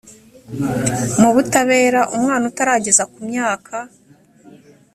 mu butabera umwana utarageza ku myaka